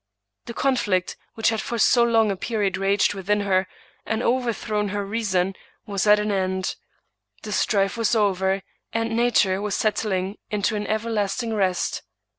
The conflict, which had for so long a period raged within her, and overthrown her reason, was at an end ; the strife was over, and nature was settling into an everlasting rest.